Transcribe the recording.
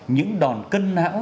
những đòn cân não